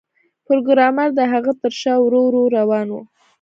پروګرامر د هغه تر شا ورو ورو روان و